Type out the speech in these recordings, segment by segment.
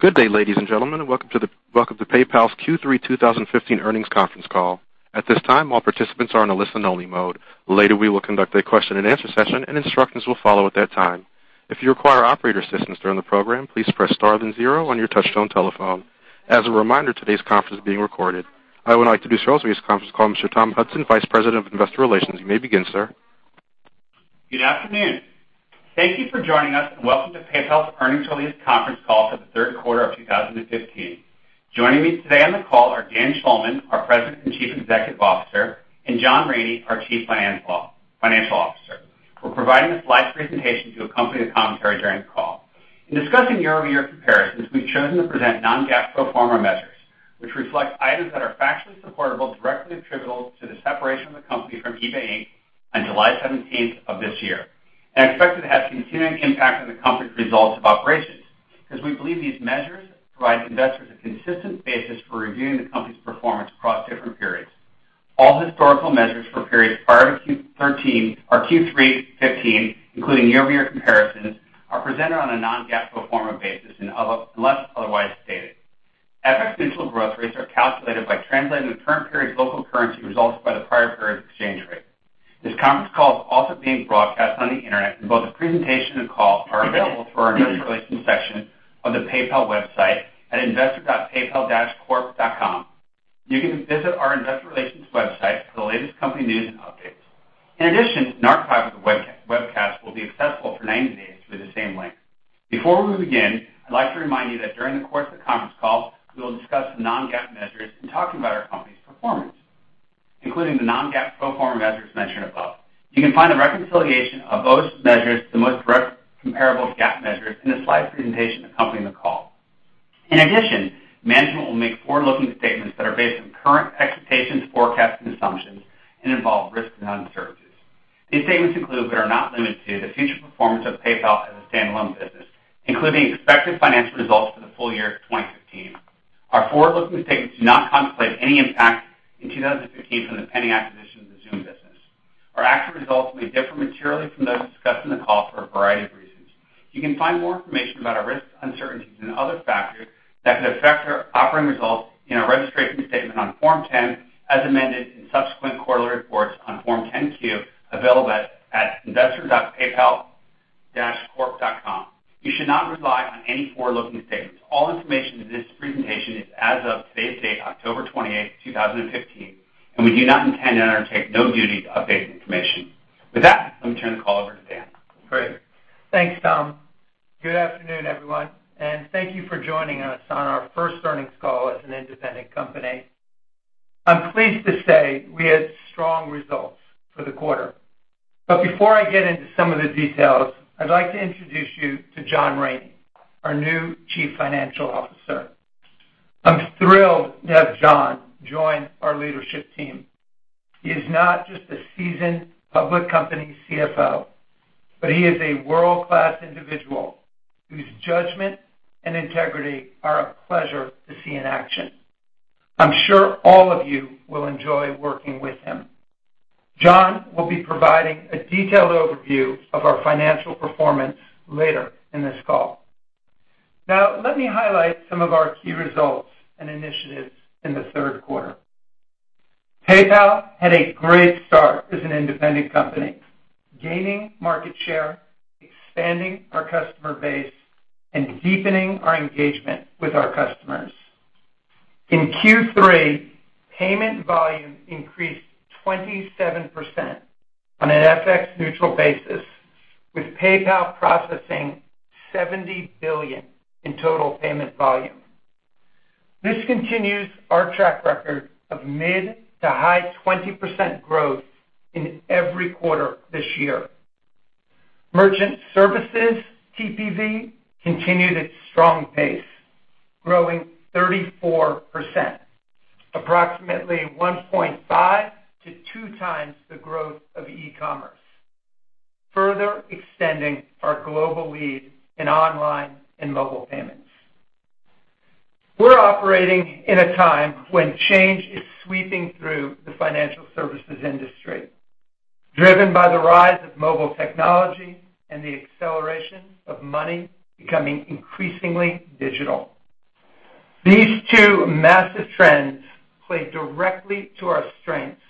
Good day, ladies and gentlemen, and welcome to PayPal's Q3 2015 earnings conference call. At this time, all participants are in a listen only mode. Later, we will conduct a question and answer session, and instructions will follow at that time. If you require operator assistance during the program, please press star then zero on your touch-tone telephone. As a reminder, today's conference is being recorded. I would like to introduce to this conference call Mr. Tom Hudson, Vice President of Investor Relations. You may begin, sir. Good afternoon. Thank you for joining us, and welcome to PayPal's earnings release conference call for the third quarter of 2015. Joining me today on the call are Dan Schulman, our President and Chief Executive Officer, and John Rainey, our Chief Financial Officer. We're providing a slide presentation to accompany the commentary during the call. In discussing year-over-year comparisons, we've chosen to present non-GAAP pro forma measures, which reflect items that are factually supportable, directly attributable to the separation of the company from eBay Inc on July 17th of this year, and are expected to have continuing impact on the company's results of operations, because we believe these measures provide investors a consistent basis for reviewing the company's performance across different periods. All historical measures for periods prior to Q3 '15, including year-over-year comparisons, are presented on a non-GAAP pro forma basis unless otherwise stated. FX-neutral growth rates are calculated by translating the current period's local currency results by the prior period's exchange rate. This conference call is also being broadcast on the Internet, and both the presentation and call are available through our Investor Relations section of the PayPal website at investor.paypal-corp.com. You can visit our Investor Relations website for the latest company news and updates. In addition, an archive of the webcast will be accessible for 90 days through the same link. Before we begin, I'd like to remind you that during the course of the conference call, we will discuss some non-GAAP measures in talking about our company's performance, including the non-GAAP pro forma measures mentioned above. You can find a reconciliation of those measures to the most direct comparable GAAP measures in the slide presentation accompanying the call. In addition, management will make forward-looking statements that are based on current expectations, forecasts, and assumptions and involve risks and uncertainties. These statements include, but are not limited to, the future performance of PayPal as a standalone business, including expected financial results for the full year of 2015. Our forward-looking statements do not contemplate any impact in 2015 from the pending acquisition of the Xoom business. Our actual results may differ materially from those discussed on the call for a variety of reasons. You can find more information about our risks, uncertainties, and other factors that could affect our operating results in our registration statement on Form 10 as amended in subsequent quarterly reports on Form 10-Q, available at investor.paypal-corp.com. You should not rely on any forward-looking statements. All information in this presentation is as of today's date, October 28th, 2015. We do not intend and undertake no duty to update this information. With that, let me turn the call over to Dan. Great. Thanks, Tom. Good afternoon, everyone. Thank you for joining us on our first earnings call as an independent company. I'm pleased to say we had strong results for the quarter. Before I get into some of the details, I'd like to introduce you to John Rainey, our new Chief Financial Officer. I'm thrilled to have John join our leadership team. He is not just a seasoned public company CFO, but he is a world-class individual whose judgment and integrity are a pleasure to see in action. I'm sure all of you will enjoy working with him. John will be providing a detailed overview of our financial performance later in this call. Now, let me highlight some of our key results and initiatives in the third quarter. PayPal had a great start as an independent company, gaining market share, expanding our customer base, and deepening our engagement with our customers. In Q3, payment volume increased 27% on an FX-neutral basis, with PayPal processing $70 billion in total payment volume. This continues our track record of mid to high 20% growth in every quarter this year. Merchant Services TPV continued its strong pace, growing 34%, approximately 1.5 to two times the growth of e-commerce, further extending our global lead in online and mobile payments. We're operating in a time when change is sweeping through the financial services industry, driven by the rise of mobile technology and the acceleration of money becoming increasingly digital. These two massive trends play directly to our strengths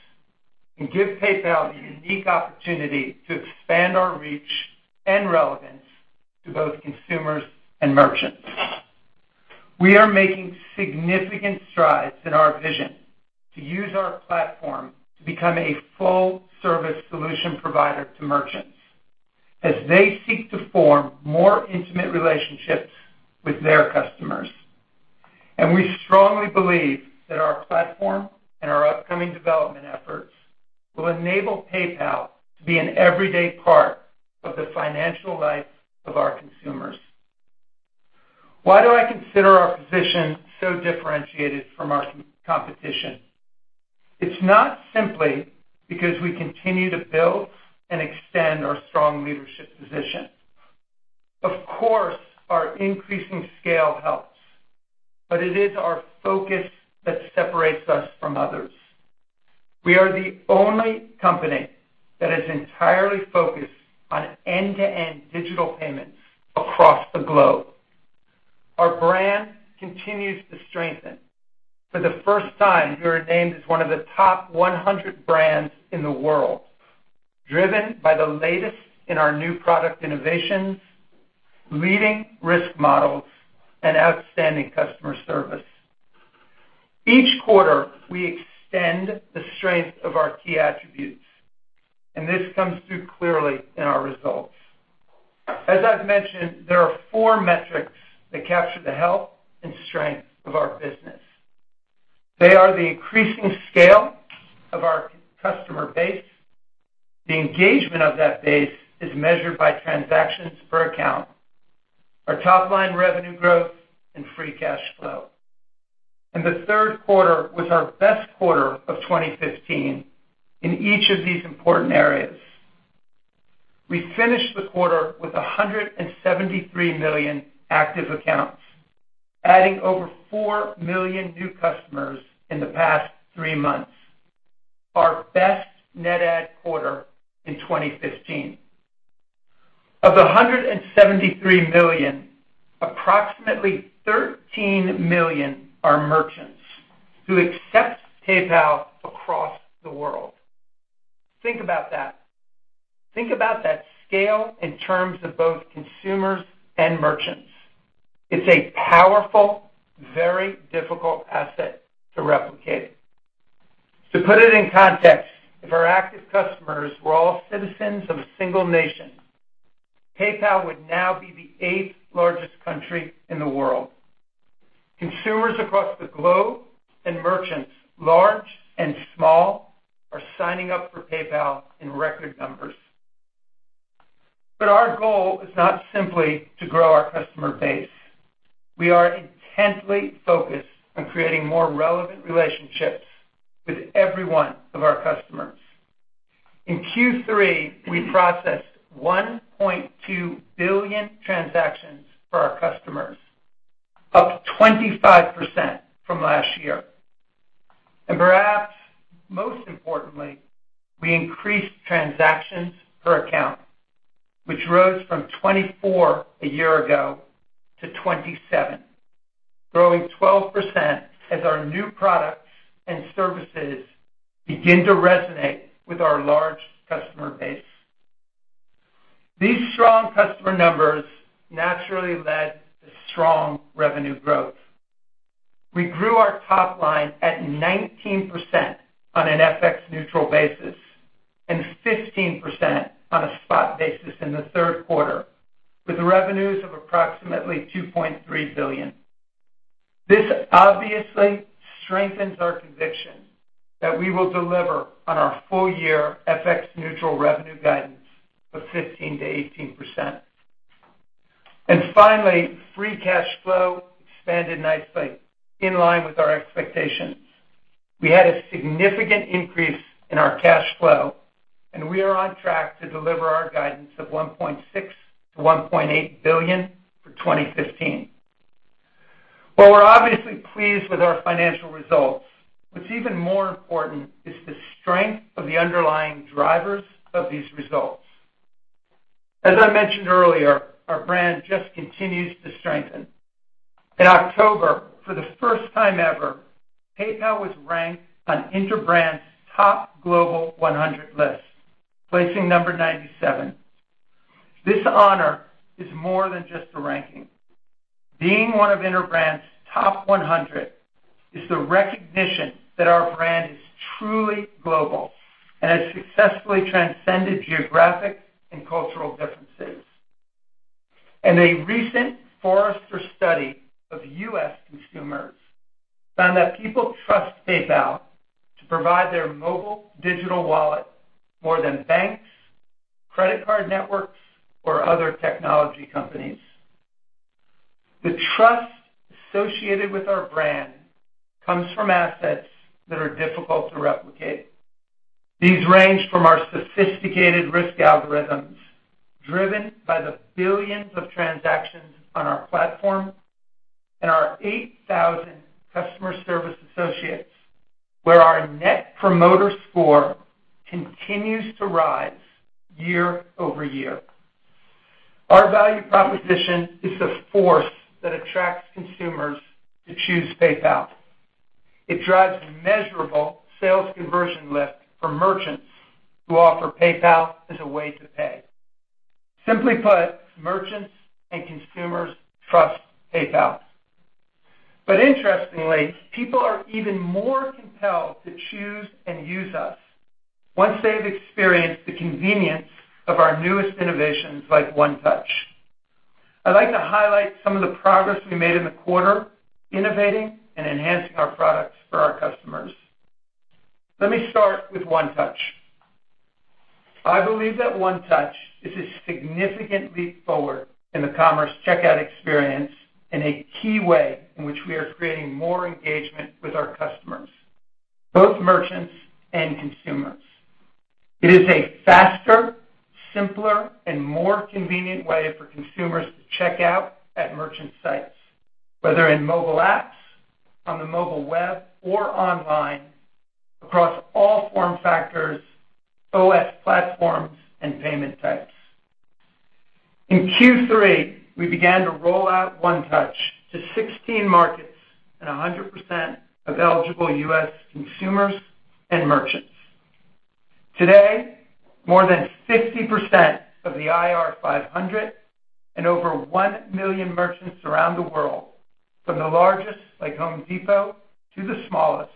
and give PayPal the unique opportunity to expand our reach and relevance to both consumers and merchants. We are making significant strides in our vision to use our platform to become a full-service solution provider to merchants as they seek to form more intimate relationships with their customers. We strongly believe that our platform and our upcoming development efforts will enable PayPal to be an everyday part of the financial life of our consumers. Why do I consider our position so differentiated from our competition? It's not simply because we continue to build and extend our strong leadership position. Of course, our increasing scale helps. It is our focus that separates us from others. We are the only company that is entirely focused on end-to-end digital payments across the globe. Our brand continues to strengthen. For the first time, we were named as one of the top 100 brands in the world, driven by the latest in our new product innovations, leading risk models, and outstanding customer service. Each quarter, we extend the strength of our key attributes, and this comes through clearly in our results. As I've mentioned, there are four metrics that capture the health and strength of our business. They are the increasing scale of our customer base, the engagement of that base is measured by transactions per account, our top-line revenue growth, and free cash flow. The third quarter was our best quarter of 2015 in each of these important areas. We finished the quarter with 173 million active accounts, adding over 4 million new customers in the past three months, our best net add quarter in 2015. Of the 173 million, approximately 13 million are merchants who accept PayPal across the world. Think about that. Think about that scale in terms of both consumers and merchants. It's a powerful, very difficult asset to replicate. To put it in context, if our active customers were all citizens of a single nation, PayPal would now be the eighth largest country in the world. Consumers across the globe and merchants, large and small, are signing up for PayPal in record numbers. Our goal is not simply to grow our customer base. We are intensely focused on creating more relevant relationships with every one of our customers. In Q3, we processed 1.2 billion transactions for our customers, up 25% from last year. Perhaps most importantly, we increased transactions per account, which rose from 24 a year ago to 27, growing 12% as our new products and services begin to resonate with our large customer base. These strong customer numbers naturally led to strong revenue growth. We grew our top line at 19% on an FX-neutral basis and 15% on a spot basis in the third quarter, with revenues of approximately $2.3 billion. This obviously strengthens our conviction that we will deliver on our full year FX-neutral revenue guidance of 15%-18%. Finally, free cash flow expanded nicely, in line with our expectations. We had a significant increase in our cash flow, and we are on track to deliver our guidance of $1.6 billion-$1.8 billion for 2015. While we're obviously pleased with our financial results, what's even more important is the strength of the underlying drivers of these results. As I mentioned earlier, our brand just continues to strengthen. In October, for the first time ever, PayPal was ranked on Interbrand's Top Global 100 list, placing number 97. This honor is more than just a ranking. Being one of Interbrand's Top 100 is the recognition that our brand is truly global and has successfully transcended geographic and cultural differences. In a recent Forrester study of U.S. consumers found that people trust PayPal to provide their mobile digital wallet more than banks, credit card networks, or other technology companies. The trust associated with our brand comes from assets that are difficult to replicate. These range from our sophisticated risk algorithms, driven by the billions of transactions on our platform and our 8,000 customer service associates, where our Net Promoter Score continues to rise year-over-year. Our value proposition is the force that attracts consumers to choose PayPal. It drives measurable sales conversion lift for merchants who offer PayPal as a way to pay. Simply put, merchants and consumers trust PayPal. Interestingly, people are even more compelled to choose and use us once they've experienced the convenience of our newest innovations like One Touch. I'd like to highlight some of the progress we made in the quarter, innovating and enhancing our products for our customers. Let me start with One Touch. I believe that One Touch is a significant leap forward in the commerce checkout experience and a key way in which we are creating more engagement with our customers, both merchants and consumers. It is a faster, simpler, and more convenient way for consumers to check out at merchant sites, whether in mobile apps, on the mobile web, or online across all form factors, OS platforms, and payment types. In Q3, we began to roll out One Touch to 16 markets and 100% of eligible U.S. consumers and merchants. Today, more than 50% of the IR 500 and over 1 million merchants around the world, from the largest, like The Home Depot, to the smallest,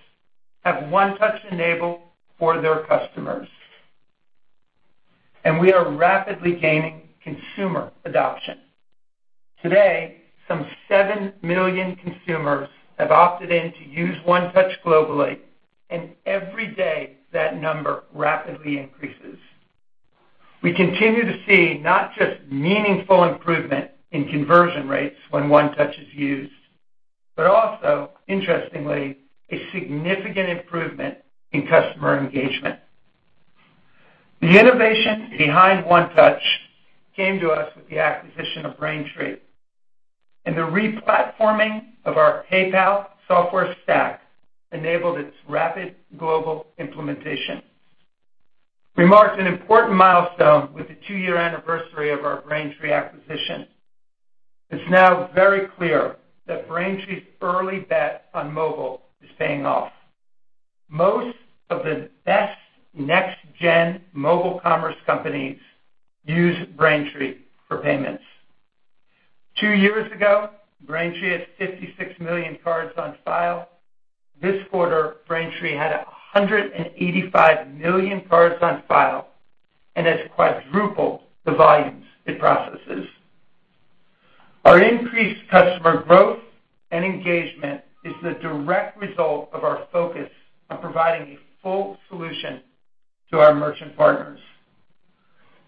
have One Touch enabled for their customers. We are rapidly gaining consumer adoption. Today, some 7 million consumers have opted in to use One Touch globally, and every day that number rapidly increases. We continue to see not just meaningful improvement in conversion rates when One Touch is used, but also, interestingly, a significant improvement in customer engagement. The innovation behind One Touch came to us with the acquisition of Braintree, and the re-platforming of our PayPal software stack enabled its rapid global implementation. We marked an important milestone with the two-year anniversary of our Braintree acquisition. It's now very clear that Braintree's early bet on mobile is paying off. Most of the best next-gen mobile commerce companies use Braintree for payments. Two years ago, Braintree had 56 million cards on file. This quarter, Braintree had 185 million cards on file and has quadrupled the volumes it processes. Our increased customer growth and engagement is the direct result of our focus on providing a full solution to our merchant partners.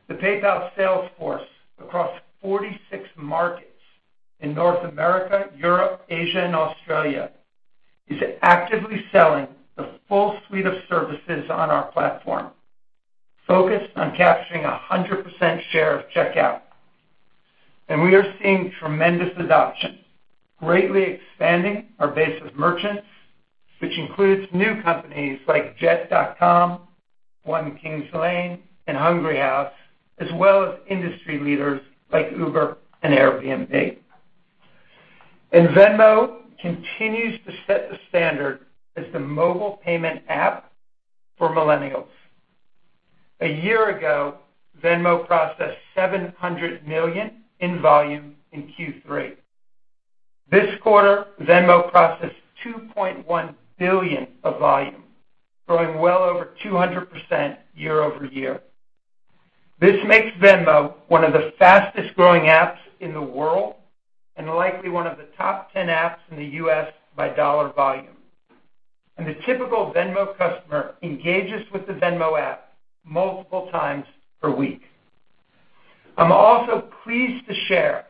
The PayPal sales force across 46 markets in North America, Europe, Asia, and Australia is actively selling the full suite of services on our platform, focused on capturing 100% share of checkout. We are seeing tremendous adoption, greatly expanding our base of merchants, which includes new companies like Jet.com, One Kings Lane, and Hungryhouse, as well as industry leaders like Uber and Airbnb. Venmo continues to set the standard as the mobile payment app for millennials. one year ago, Venmo processed $700 million in volume in Q3. This quarter, Venmo processed $2.1 billion of volume, growing well over 200% year-over-year. This makes Venmo one of the fastest-growing apps in the world, and likely one of the top 10 apps in the U.S. by dollar volume. The typical Venmo customer engages with the Venmo app multiple times per week. I'm also pleased to share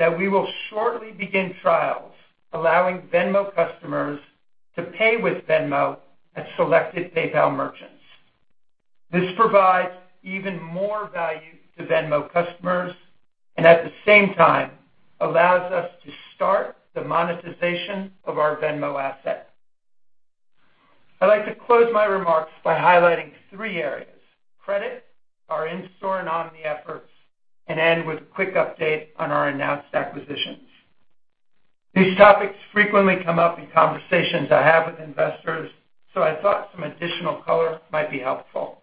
that we will shortly begin trials allowing Venmo customers to pay with Venmo at selected PayPal merchants. This provides even more value to Venmo customers, and at the same time allows us to start the monetization of our Venmo asset. I'd like to close my remarks by highlighting three areas: credit, our in-store and omni efforts, and end with a quick update on our announced acquisitions. These topics frequently come up in conversations I have with investors, so I thought some additional color might be helpful.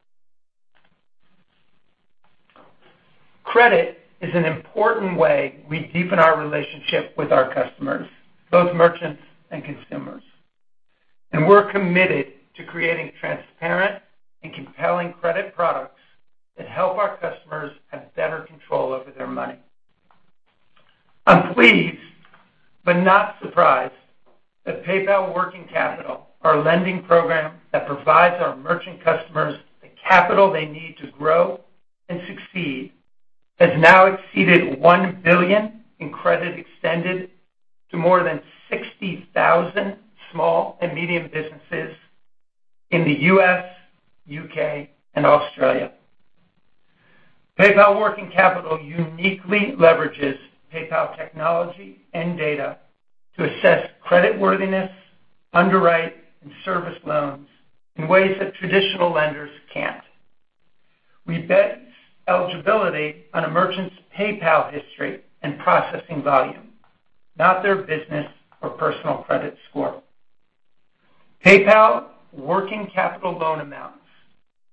Credit is an important way we deepen our relationship with our customers, both merchants and consumers. We're committed to creating transparent and compelling credit products that help our customers have better control over their money. I'm pleased, but not surprised, that PayPal Working Capital, our lending program that provides our merchant customers the capital they need to grow and succeed, has now exceeded $1 billion in credit extended to more than 60,000 small and medium businesses in the U.S., U.K., and Australia. PayPal Working Capital uniquely leverages PayPal technology and data to assess creditworthiness, underwrite, and service loans in ways that traditional lenders can't. We bet eligibility on a merchant's PayPal history and processing volume, not their business or personal credit score. PayPal Working Capital loan amounts,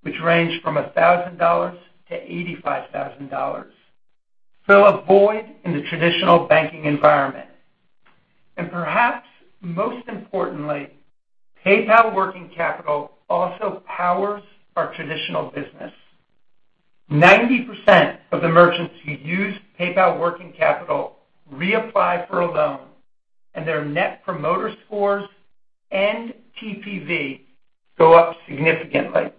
which range from $1,000-$85,000, fill a void in the traditional banking environment. Perhaps most importantly, PayPal Working Capital also powers our traditional business. 90% of the merchants who use PayPal Working Capital reapply for a loan, and their Net Promoter Scores and TPV go up significantly,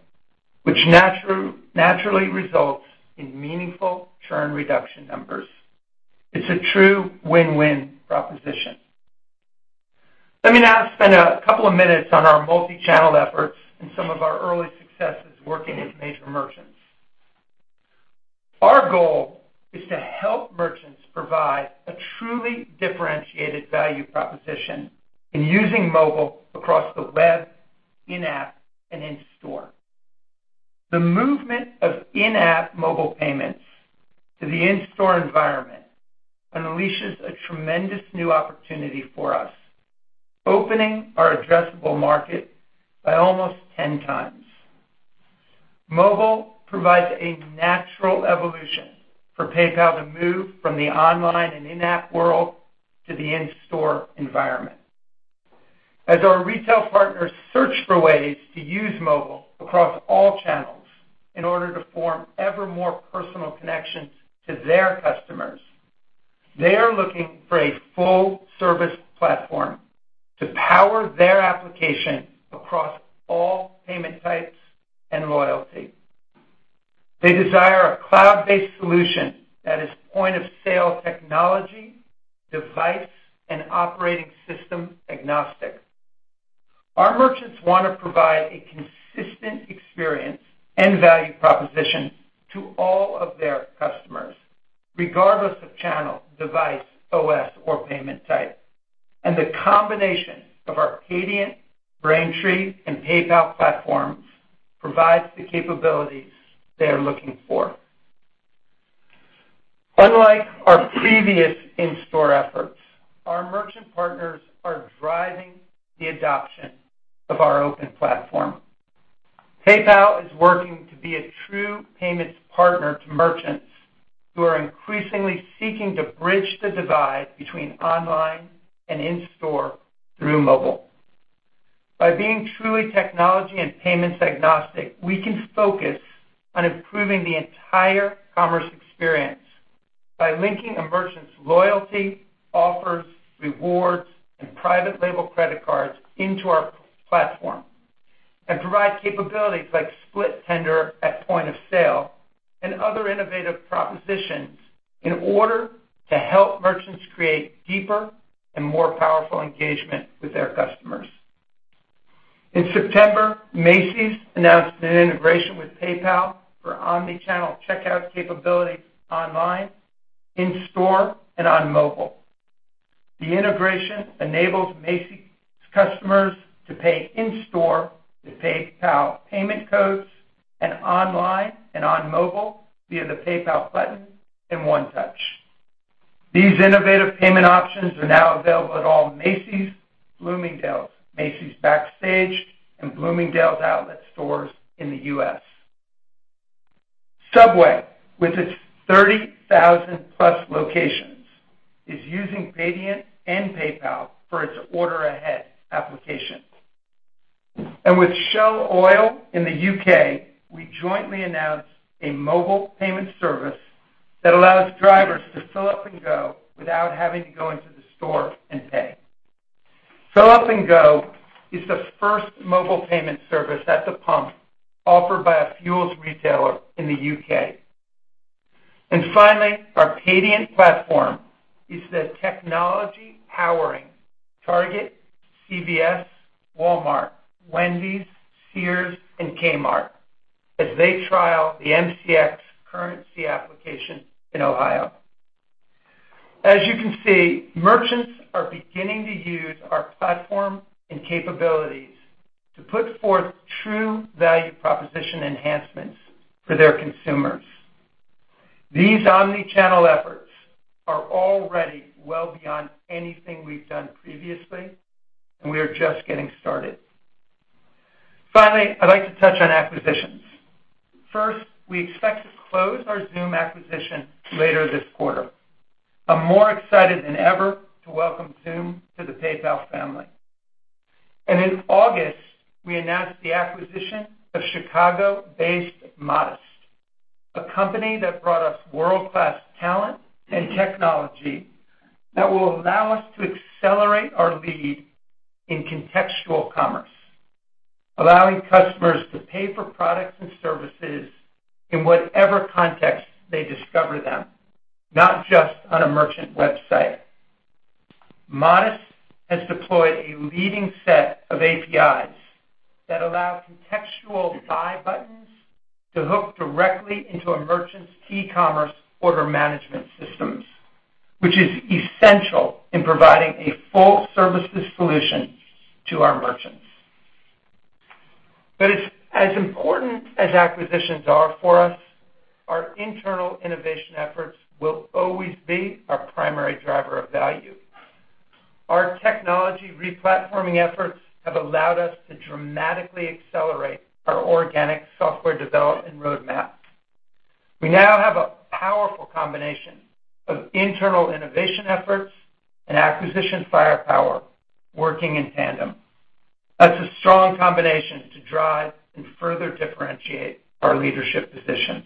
which naturally results in meaningful churn reduction numbers. It's a true win-win proposition. Let me now spend a couple of minutes on our multi-channel efforts and some of our early successes working with major merchants. Our goal is to help merchants provide a truly differentiated value proposition in using mobile across the web, in-app, and in-store. The movement of in-app mobile payments to the in-store environment unleashes a tremendous new opportunity for us, opening our addressable market by almost 10 times. Mobile provides a natural evolution for PayPal to move from the online and in-app world to the in-store environment. As our retail partners search for ways to use mobile across all channels in order to form ever more personal connections to their customers, they are looking for a full-service platform to power their application across all payment types and loyalty. They desire a cloud-based solution that is point-of-sale technology, device, and operating system agnostic. Our merchants want to provide a consistent experience and value proposition to all of their customers, regardless of channel, device, OS, or payment type. The combination of our Paydiant, Braintree, and PayPal platforms provides the capabilities they are looking for. Unlike our previous in-store efforts, our merchant partners are driving the adoption of our open platform. PayPal is working to be a true payments partner to merchants who are increasingly seeking to bridge the divide between online and in-store through mobile. By being truly technology and payments agnostic, we can focus on improving the entire commerce experience by linking a merchant's loyalty, offers, rewards, and private label credit cards into our platform, and provide capabilities like split tender at point of sale and other innovative propositions in order to help merchants create deeper and more powerful engagement with their customers. In September, Macy's announced an integration with PayPal for omni-channel checkout capabilities online, in-store, and on mobile. The integration enables Macy's customers to pay in-store with PayPal payment codes and online and on mobile via the PayPal button in One Touch. These innovative payment options are now available at all Macy's, Bloomingdale's, Macy's Backstage, and Bloomingdale's Outlet stores in the U.S. Subway, with its 30,000-plus locations, is using Paydiant and PayPal for its Order Ahead application. With Shell Oil in the U.K., we jointly announced a mobile payment service that allows drivers to fill up and go without having to go into the store and pay. Fill up and go is the first mobile payment service at the pump offered by a fuels retailer in the U.K. Finally, our Paydiant platform is the technology powering Target, CVS, Walmart, Wendy's, Sears, and Kmart as they trial the MCX CurrentC application in Ohio. As you can see, merchants are beginning to use our platform and capabilities to put forth true value proposition enhancements for their consumers. These omni-channel efforts are already well beyond anything we've done previously, and we are just getting started. Finally, I'd like to touch on acquisitions. First, we expect to close our Xoom acquisition later this quarter. I'm more excited than ever to welcome Xoom to the PayPal family. In August, we announced the acquisition of Chicago-based Modest, a company that brought us world-class talent and technology that will allow us to accelerate our lead in contextual commerce, allowing customers to pay for products and services in whatever context they discover them, not just on a merchant website. Modest has deployed a leading set of APIs that allow contextual buy buttons to hook directly into a merchant's e-commerce order management systems, which is essential in providing a full services solution to our merchants. As important as acquisitions are for us, our internal innovation efforts will always be our primary driver of value. Our technology re-platforming efforts have allowed us to dramatically accelerate our organic software development roadmap. We now have a powerful combination of internal innovation efforts and acquisition firepower working in tandem. That's a strong combination to drive and further differentiate our leadership position.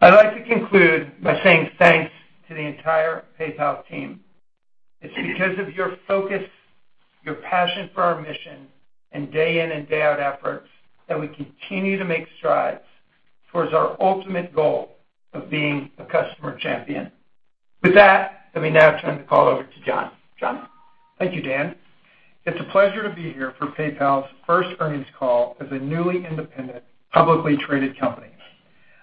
I'd like to conclude by saying thanks to the entire PayPal team. It's because of your focus, your passion for our mission, and day in and day out efforts that we continue to make strides towards our ultimate goal of being a customer champion. With that, let me now turn the call over to John. John? Thank you, Dan. It's a pleasure to be here for PayPal's first earnings call as a newly independent, publicly traded company.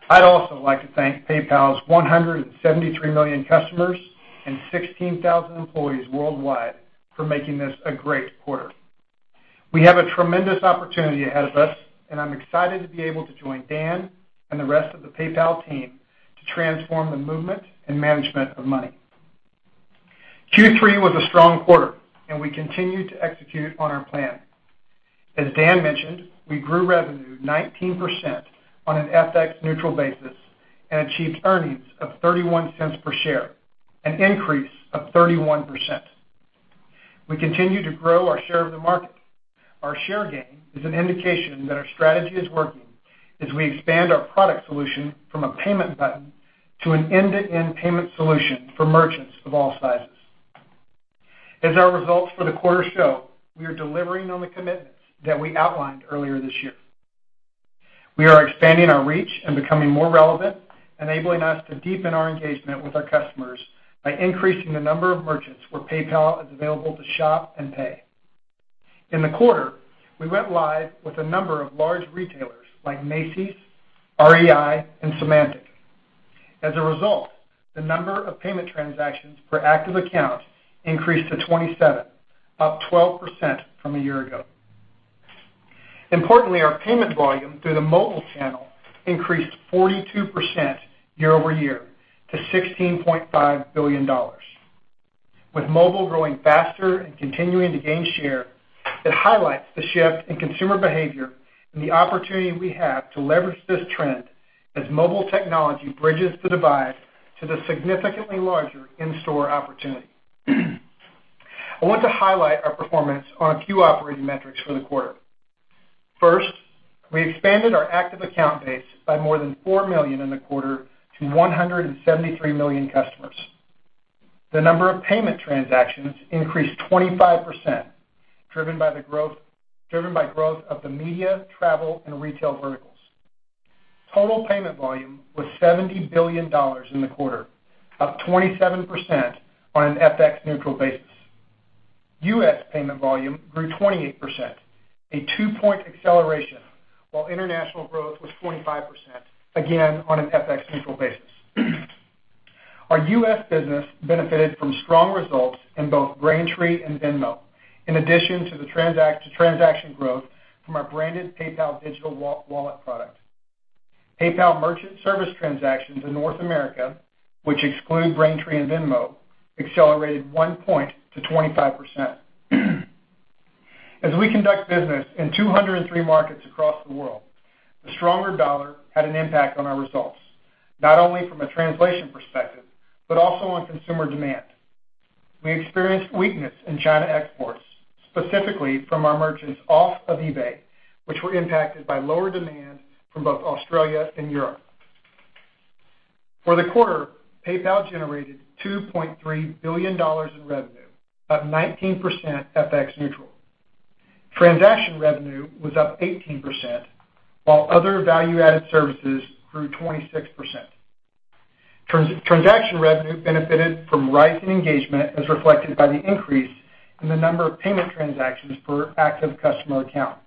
I'd also like to thank PayPal's 173 million customers and 16,000 employees worldwide for making this a great quarter. We have a tremendous opportunity ahead of us, and I'm excited to be able to join Dan and the rest of the PayPal team to transform the movement and management of money. Q3 was a strong quarter, and we continue to execute on our plan. As Dan mentioned, we grew revenue 19% on an FX-neutral basis and achieved earnings of $0.31 per share, an increase of 31%. We continue to grow our share of the market. Our share gain is an indication that our strategy is working as we expand our product solution from a payment button to an end-to-end payment solution for merchants of all sizes. As our results for the quarter show, we are delivering on the commitments that we outlined earlier this year. We are expanding our reach and becoming more relevant, enabling us to deepen our engagement with our customers by increasing the number of merchants where PayPal is available to shop and pay. In the quarter, we went live with a number of large retailers like Macy's, REI, and Symantec. As a result, the number of payment transactions per active account increased to 27, up 12% from a year ago. Importantly, our payment volume through the mobile channel increased 42% year-over-year to $16.5 billion. With mobile growing faster and continuing to gain share, it highlights the shift in consumer behavior and the opportunity we have to leverage this trend as mobile technology bridges the divide to the significantly larger in-store opportunity. I want to highlight our performance on a few operating metrics for the quarter. First, we expanded our active account base by more than 4 million in the quarter to 173 million customers. The number of payment transactions increased 25%, driven by growth of the media, travel, and retail verticals. Total payment volume was $70 billion in the quarter, up 27% on an FX-neutral basis. U.S. payment volume grew 28%, a 2-point acceleration, while international growth was 25%, again on an FX-neutral basis. Our U.S. business benefited from strong results in both Braintree and Venmo, in addition to the transaction growth from our branded PayPal digital wallet product. PayPal merchant service transactions in North America, which exclude Braintree and Venmo, accelerated 1 point to 25%. As we conduct business in 203 markets across the world, the stronger dollar had an impact on our results, not only from a translation perspective, but also on consumer demand. We experienced weakness in China exports, specifically from our merchants off of eBay, which were impacted by lower demand from both Australia and Europe. For the quarter, PayPal generated $2.3 billion in revenue, up 19% FX-neutral. Transaction revenue was up 18%, while other value-added services grew 26%. Transaction revenue benefited from rising engagement as reflected by the increase in the number of payment transactions per active customer account.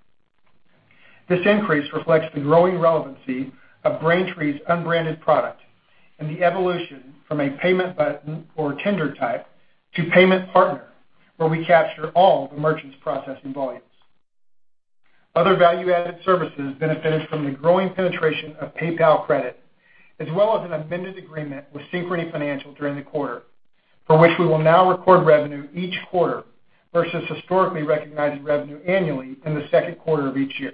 This increase reflects the growing relevancy of Braintree's unbranded product and the evolution from a payment button or tender type to payment partner, where we capture all the merchant's processing volumes. Other value-added services benefited from the growing penetration of PayPal Credit, as well as an amended agreement with Synchrony Financial during the quarter, for which we will now record revenue each quarter versus historically recognizing revenue annually in the second quarter of each year.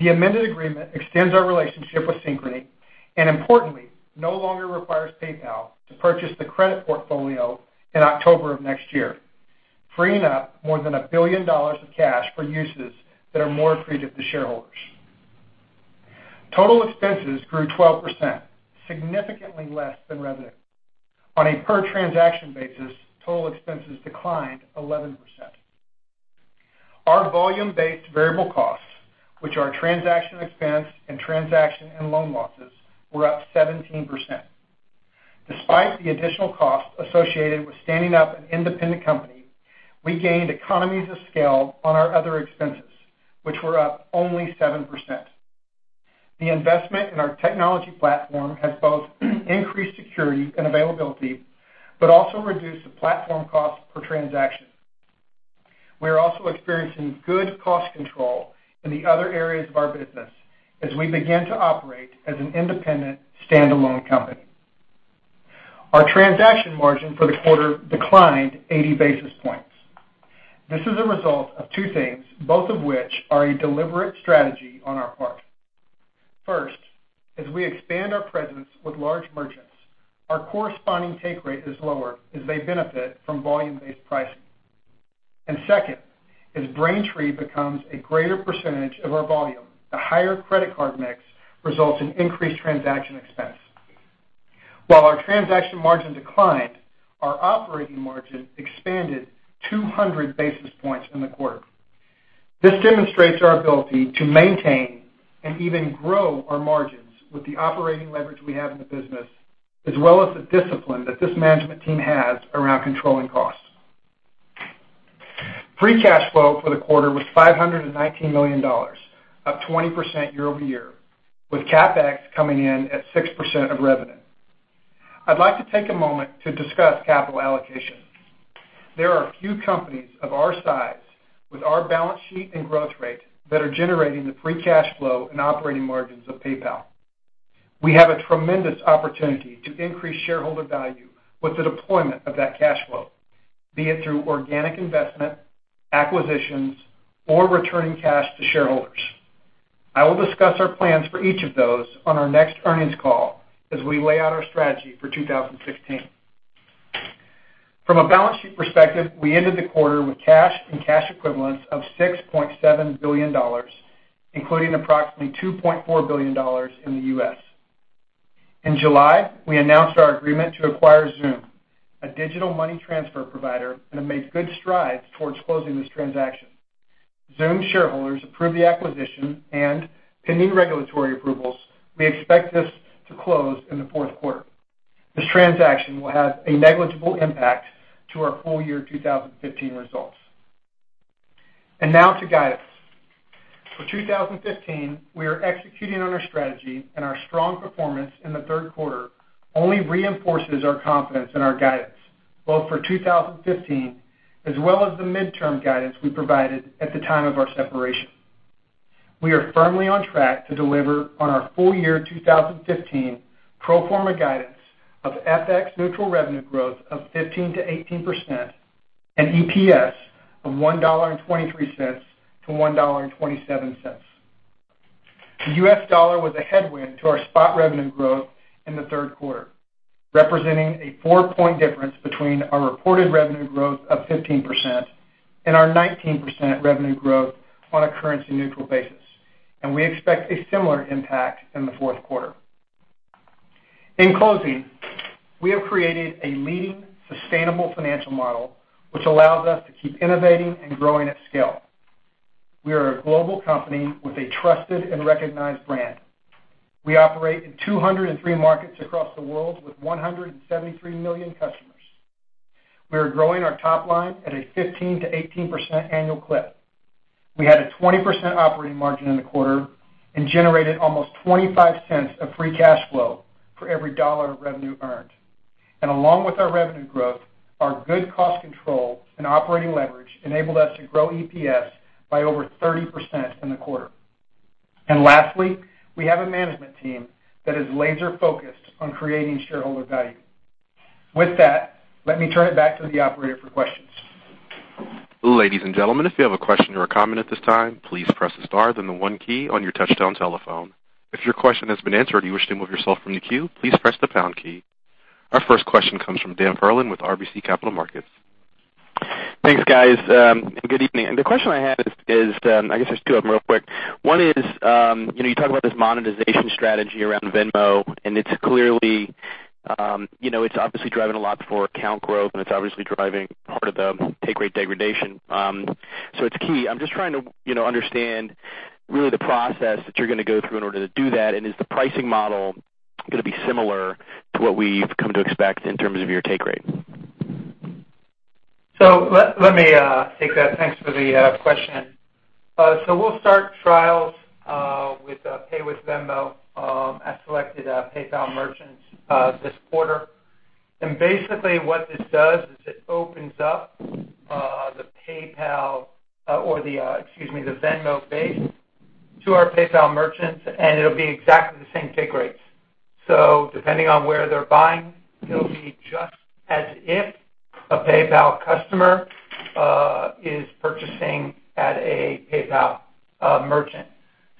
The amended agreement extends our relationship with Synchrony and importantly, no longer requires PayPal to purchase the credit portfolio in October of next year, freeing up more than $1 billion of cash for uses that are more accretive to shareholders. Total expenses grew 12%, significantly less than revenue. On a per-transaction basis, total expenses declined 11%. Our volume-based variable costs, which are transaction expense and transaction and loan losses, were up 17%. Despite the additional cost associated with standing up an independent company, we gained economies of scale on our other expenses, which were up only 7%. The investment in our technology platform has both increased security and availability, but also reduced the platform cost per transaction. We are also experiencing good cost control in the other areas of our business as we begin to operate as an independent, standalone company. Our transaction margin for the quarter declined 80 basis points. This is a result of two things, both of which are a deliberate strategy on our part. First, as we expand our presence with large merchants, our corresponding take rate is lower as they benefit from volume-based pricing. Second, as Braintree becomes a greater percentage of our volume, the higher credit card mix results in increased transaction expense. Our transaction margin declined, our operating margin expanded 200 basis points in the quarter. This demonstrates our ability to maintain and even grow our margins with the operating leverage we have in the business, as well as the discipline that this management team has around controlling costs. Free cash flow for the quarter was $519 million, up 20% year-over-year, with CapEx coming in at 6% of revenue. I'd like to take a moment to discuss capital allocation. There are few companies of our size with our balance sheet and growth rate that are generating the free cash flow and operating margins of PayPal. We have a tremendous opportunity to increase shareholder value with the deployment of that cash flow, be it through organic investment, acquisitions, or returning cash to shareholders. I will discuss our plans for each of those on our next earnings call as we lay out our strategy for 2016. From a balance sheet perspective, we ended the quarter with cash and cash equivalents of $6.7 billion, including approximately $2.4 billion in the U.S. In July, we announced our agreement to acquire Xoom, a digital money transfer provider, and have made good strides towards closing this transaction. Xoom shareholders approved the acquisition, pending regulatory approvals, we expect this to close in the fourth quarter. This transaction will have a negligible impact to our full year 2015 results. Now to guidance. For 2015, we are executing on our strategy, our strong performance in the third quarter only reinforces our confidence in our guidance, both for 2015 as well as the midterm guidance we provided at the time of our separation. We are firmly on track to deliver on our full year 2015 pro forma guidance of FX-neutral revenue growth of 15%-18% and EPS of $1.23-$1.27. The US dollar was a headwind to our spot revenue growth in the third quarter, representing a four-point difference between our reported revenue growth of 15% and our 19% revenue growth on a currency-neutral basis. We expect a similar impact in the fourth quarter. In closing, we have created a leading, sustainable financial model which allows us to keep innovating and growing at scale. We are a global company with a trusted and recognized brand. We operate in 203 markets across the world with 173 million customers. We are growing our top line at a 15%-18% annual clip. We had a 20% operating margin in the quarter and generated almost $0.25 of free cash flow for every dollar of revenue earned. Along with our revenue growth, our good cost control and operating leverage enabled us to grow EPS by over 30% in the quarter. Lastly, we have a management team that is laser-focused on creating shareholder value. With that, let me turn it back to the operator for questions. Ladies and gentlemen, if you have a question or a comment at this time, please press a star, then the 1 key on your touch-tone telephone. If your question has been answered or you wish to remove yourself from the queue, please press the pound key. Our first question comes from Dan Perlin with RBC Capital Markets. Thanks, guys, and good evening. The question I have is, I guess there's two of them real quick. One is, you talk about this monetization strategy around Venmo, it's obviously driving a lot for account growth, it's obviously driving part of the take rate degradation. It's key. I'm just trying to understand really the process that you're going to go through in order to do that, is the pricing model going to be similar to what we've come to expect in terms of your take rate? Let me take that. Thanks for the question. We'll start trials with Pay with Venmo at selected PayPal merchants this quarter. Basically what this does is it opens up the PayPal or the, excuse me, the Venmo base to our PayPal merchants, and it'll be exactly the same take rates. Depending on where they're buying, it'll be just as if a PayPal customer is purchasing at a PayPal merchant.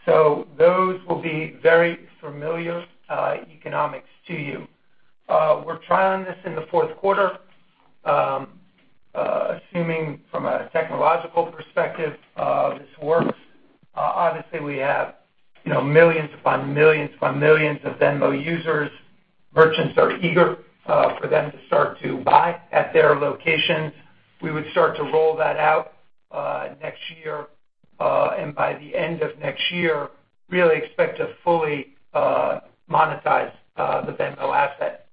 Those will be very familiar economics to you. We're trialing this in the fourth quarter. Assuming from a technological perspective this works, obviously we have millions upon millions upon millions of Venmo users. Merchants are eager for them to start to buy at their locations. We would start to roll that out next year, and by the end of next year, really expect to fully monetize the Venmo asset.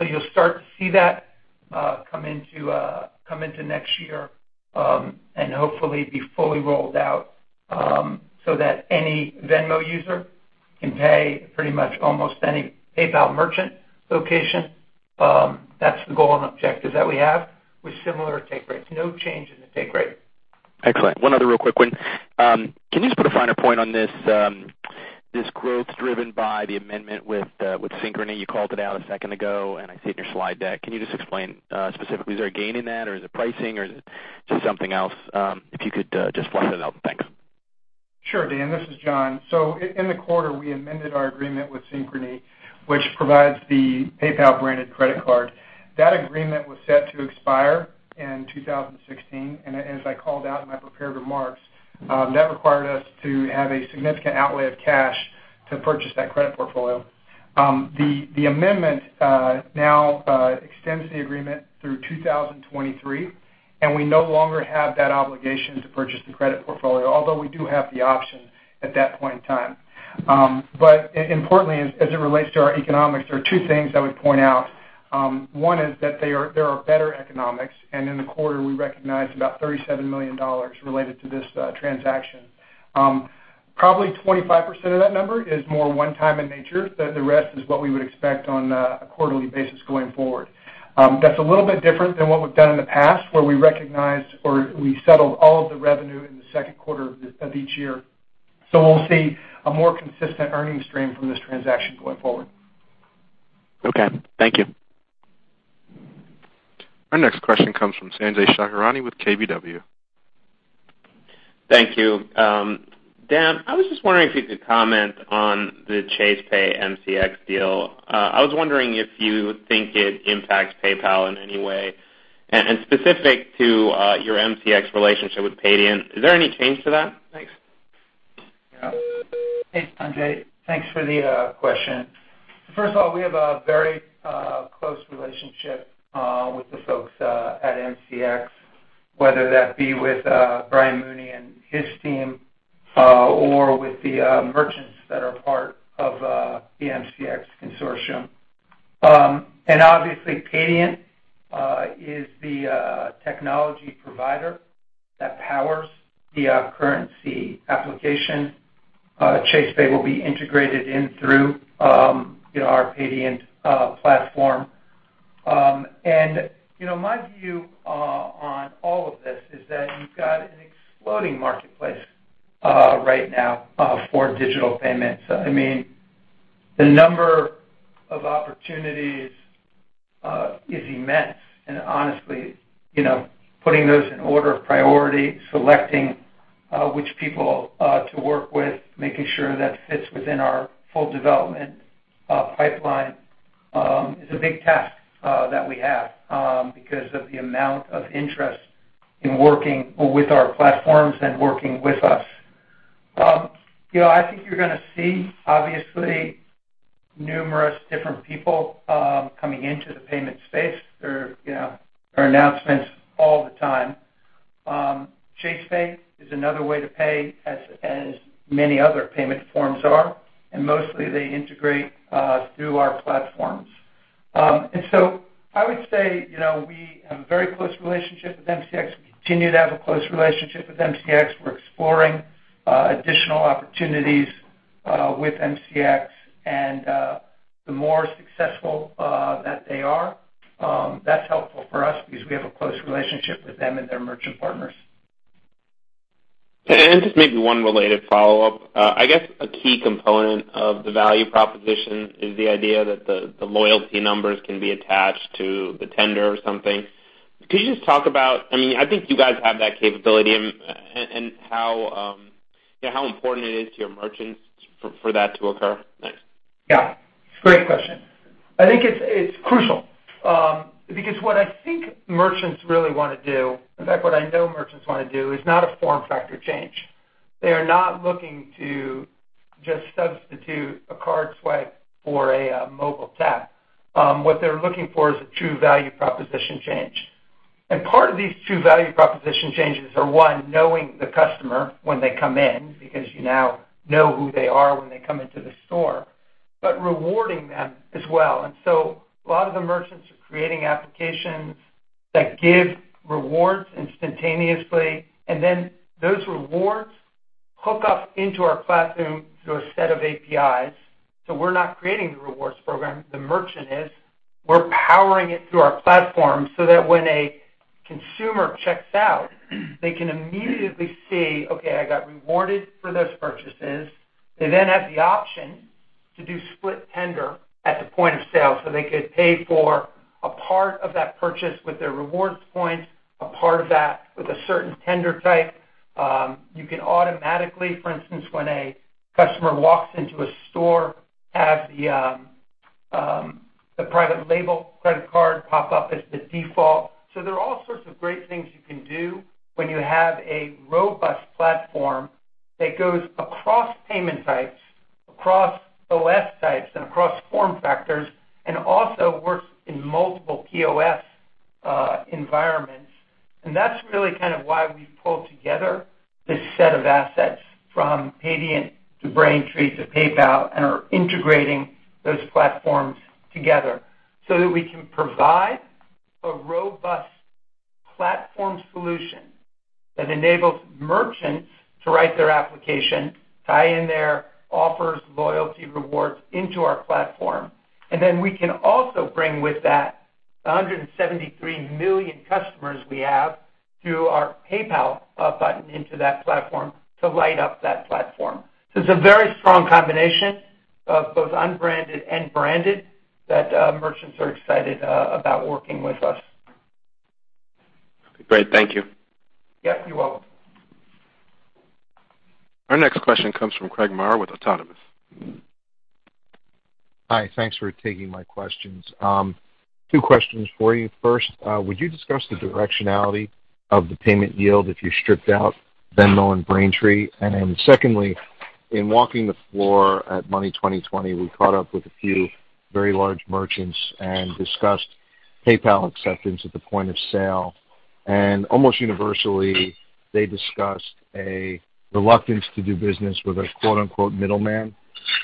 You'll start to see that come into next year and hopefully be fully rolled out so that any Venmo user can pay pretty much almost any PayPal merchant location. That's the goal and objective that we have with similar take rates. No change in the take rate. Excellent. One other real quick one. Can you just put a finer point on this growth driven by the amendment with Synchrony? You called it out a second ago, and I see it in your slide deck. Can you just explain specifically, is there a gain in that, or is it pricing, or is it just something else? If you could just flesh that out. Thanks. Sure, Dan. This is John. In the quarter, we amended our agreement with Synchrony, which provides the PayPal-branded credit card. That agreement was set to expire in 2016, and as I called out in my prepared remarks, that required us to have a significant outlay of cash to purchase that credit portfolio. The amendment now extends the agreement through 2023, and we no longer have that obligation to purchase the credit portfolio, although we do have the option at that point in time. Importantly, as it relates to our economics, there are two things I would point out. One is that there are better economics, and in the quarter, we recognized about $37 million related to this transaction. Probably 25% of that number is more one time in nature. The rest is what we would expect on a quarterly basis going forward. That's a little bit different than what we've done in the past, where we recognized or we settled all of the revenue in the second quarter of each year. We'll see a more consistent earnings stream from this transaction going forward. Okay, thank you. Our next question comes from Sanjay Sakhrani with KBW. Thank you. Dan, I was just wondering if you could comment on the Chase Pay MCX deal. I was wondering if you think it impacts PayPal in any way, and specific to your MCX relationship with Paydiant, is there any change to that? Thanks. Yeah. Hey, Sanjay. Thanks for the question. First of all, we have a very close relationship with the folks at MCX, whether that be with Brian Mooney and his team or with the merchants that are part of the MCX consortium. Obviously, Paydiant is the technology provider that powers the CurrentC application. Chase Pay will be integrated in through our Paydiant platform. My view on all of this is that you've got an exploding marketplace right now for digital payments. The number of opportunities is immense, and honestly, putting those in order of priority, selecting which people to work with, making sure that fits within our full development pipeline is a big task that we have because of the amount of interest in working with our platforms and working with us. I think you're going to see, obviously, numerous different people coming into the payment space. There are announcements all the time. Chase Pay is another way to pay, as many other payment forms are. Mostly they integrate through our platforms. I would say we have a very close relationship with MCX. We continue to have a close relationship with MCX. We're exploring additional opportunities with MCX, and the more successful that they are, that's helpful for us because we have a close relationship with them and their merchant partners. Just maybe one related follow-up. I guess a key component of the value proposition is the idea that the loyalty numbers can be attached to the tender or something. Could you just talk about, I think you guys have that capability, and how important it is to your merchants for that to occur? Thanks. Yeah. Great question. I think it's crucial because what I think merchants really want to do, in fact, what I know merchants want to do is not a form factor change. They are not looking to just substitute a card swipe for a mobile tap. What they're looking for is a true value proposition change. Part of these true value proposition changes are one, knowing the customer when they come in, because you now know who they are when they come into the store, but rewarding them as well. A lot of the merchants are creating applications that give rewards instantaneously, and then those rewards hook up into our platform through a set of APIs. We're not creating the rewards program. The merchant is. We're powering it through our platform so that when a consumer checks out, they can immediately see, okay, I got rewarded for those purchases. They then have the option to do split tender at the point of sale, so they could pay for a part of that purchase with their rewards points, a part of that with a certain tender type. You can automatically, for instance, when a customer walks into a store, have the private label credit card pop up as the default. There are all sorts of great things you can do when you have a robust platform that goes across payment types, across OS types, and across form factors, and also works in multiple POS environments. That's really kind of why we've pulled together this set of assets from Paydiant to Braintree to PayPal and are integrating those platforms together so that we can provide a robust platform solution that enables merchants to write their application, tie in their offers, loyalty rewards into our platform. Then we can also bring with that 173 million customers we have through our PayPal button into that platform to light up that platform. It's a very strong combination of both unbranded and branded that merchants are excited about working with us. Great. Thank you. Yeah, you're welcome. Our next question comes from Craig Maurer with Autonomous. Hi. Thanks for taking my questions. Two questions for you. First, would you discuss the directionality of the payment yield if you stripped out Venmo and Braintree. Secondly, in walking the floor at Money20/20, we caught up with a few very large merchants and discussed PayPal acceptance at the point of sale, and almost universally, they discussed a reluctance to do business with a quote, unquote, "middleman"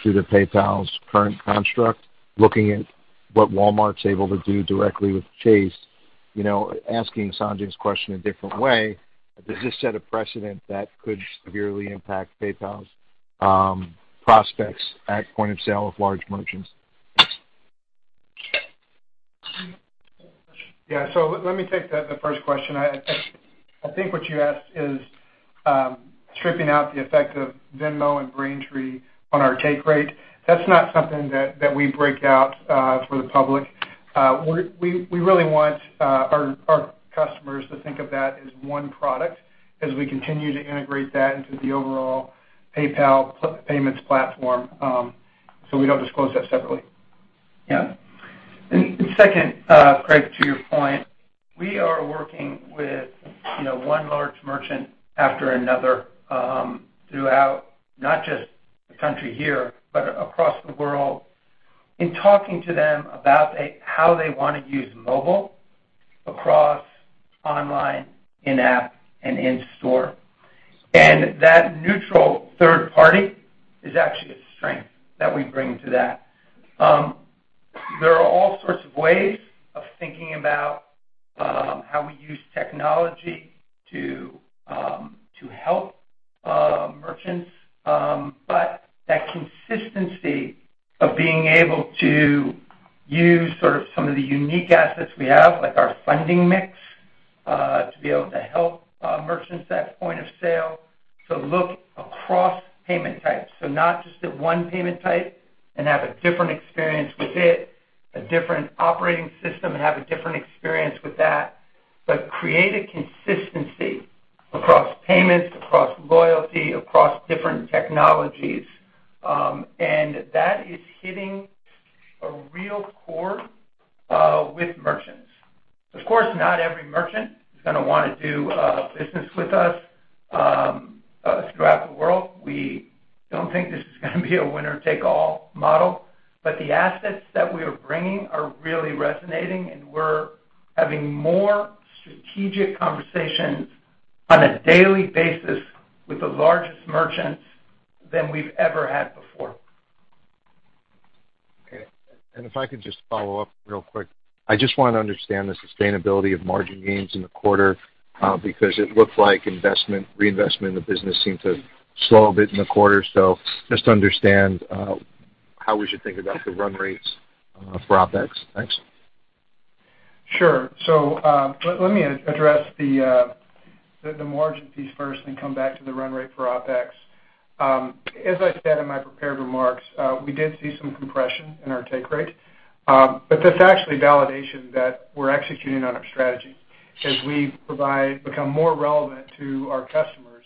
due to PayPal's current construct. Looking at what Walmart is able to do directly with Chase, asking Sanjay's question a different way, does this set a precedent that could severely impact PayPal's prospects at point of sale with large merchants? Yeah. Let me take the first question. I think what you asked is stripping out the effect of Venmo and Braintree on our take rate. That's not something that we break out for the public. We really want our customers to think of that as one product as we continue to integrate that into the overall PayPal payments platform. We don't disclose that separately. Yeah. Second, Craig, to your point, we are working with one large merchant after another throughout not just the country here, but across the world, in talking to them about how they want to use mobile across online, in-app, and in-store. That neutral third party is actually a strength that we bring to that. There are all sorts of ways of thinking about how we use technology to help merchants, but that consistency of being able to use sort of some of the unique assets we have, like our funding mix, to be able to help merchants at point of sale to look across payment types. Not just at one payment type and have a different experience with it, a different operating system, and have a different experience with that, but create a consistency across payments, across loyalty, across different technologies. That is hitting a real chord with merchants. Of course, not every merchant is going to want to do business with us throughout the world. We don't think this is going to be a winner-take-all model. The assets that we are bringing are really resonating, and we're having more strategic conversations on a daily basis with the largest merchants than we've ever had before. Okay. If I could just follow up real quick. I just want to understand the sustainability of margin gains in the quarter, because it looked like investment, reinvestment in the business seemed to slow a bit in the quarter. Just to understand how we should think about the run rates for OpEx. Thanks. Sure. Let me address the margin piece first and come back to the run rate for OpEx. As I said in my prepared remarks, we did see some compression in our take rate, but that's actually validation that we're executing on our strategy as we become more relevant to our customers